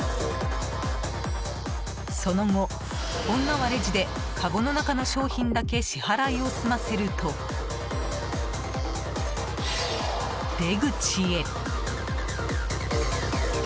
その後、女はレジでかごの中の商品だけ支払いを済ませると、出口へ。